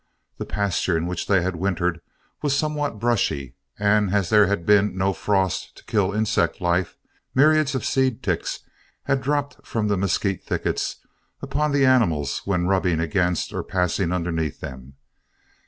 The pasture in which they had wintered was somewhat brushy, and as there had been no frost to kill insect life, myriads of seed ticks had dropped from the mesquite thickets upon the animals when rubbing against or passing underneath them.